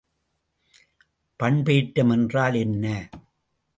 பண்பேற்றம் என்றால் என்ன?